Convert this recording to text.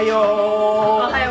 おはよう！